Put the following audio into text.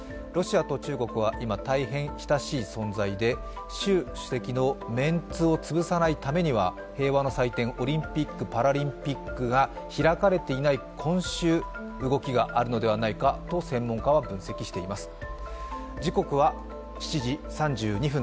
ロシアと中国は今、大変親しい存在で習主席のメンツを潰さないためには平和の祭典・オリンピックパラリンピックが開かれていない今週動きがあるのではないかと専門家は分析しています。